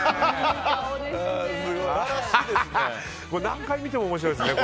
何回見ても面白いですね。